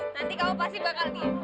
nanti kamu pasti bakal bingung